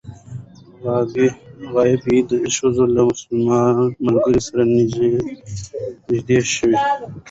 غابي د ښوونځي له مسلمان ملګري سره نژدې شو.